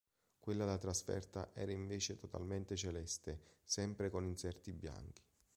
Quella da trasferta era invece totalmente celeste, sempre con inserti bianchi.